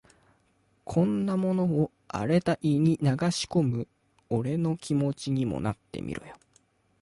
こんなものを荒れた胃に流し込む俺の気持ちにもなってみろよ。